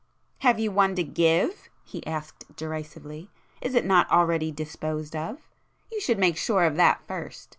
..." "Have you one to give?" he asked derisively—"Is it not already disposed of? You should make sure of that first!